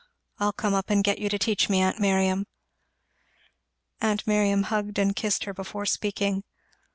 I'll come up and get you to teach me, aunt Miriam." Aunt Miriam hugged and kissed her before speaking.